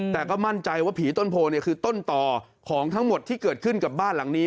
แต่ก็มั่นใจว่าผีต้นโพเนี่ยคือต้นต่อของทั้งหมดที่เกิดขึ้นกับบ้านหลังนี้